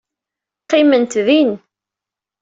Qqiment din.